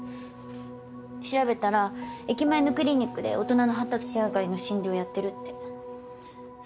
調べたら駅前のクリニックで大人の発達障害の診療をやってるって。